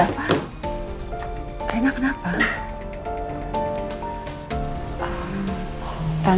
jika tidak gak akan ada